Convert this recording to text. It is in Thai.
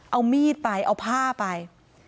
เอามีดไปเอาผ้าไป